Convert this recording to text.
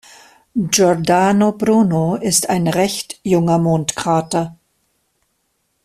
Giordano Bruno ist ein recht junger Mondkrater.